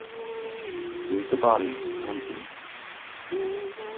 Here’s the body, empty.